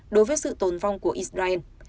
đối với sự tồn vong của israel